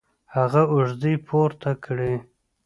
هغه اوږې پورته کړې